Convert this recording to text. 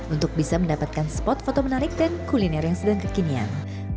untuk bisa mendapatkan spot foto menarik dan kuliner yang sedang kekinian